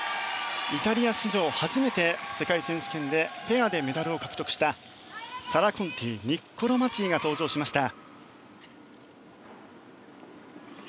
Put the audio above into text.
イタリア史上初めて世界選手権でペアでメダルを獲得したサラ・コンティニッコロ・マチーが登場しました。